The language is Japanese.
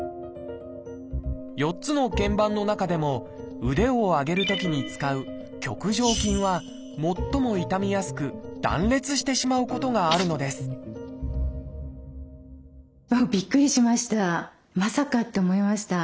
４つの腱板の中でも腕を上げるときに使う「棘上筋」は最も傷みやすく断裂してしまうことがあるのですびっくりしました。